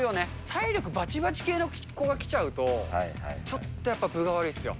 体力ばちばち系の子が来ちゃうと、ちょっとやっぱ分が悪いですよ。